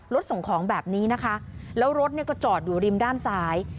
ส่งของแบบนี้นะคะแล้วรถเนี่ยก็จอดอยู่ริมด้านซ้าย